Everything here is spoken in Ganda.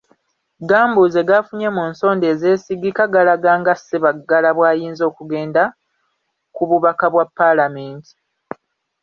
Gambuuze g'afunye mu nsonda ezeesigika galaga nga Ssebaggala bw'ayinza okugenda ku bubaka bwa Paalamenti.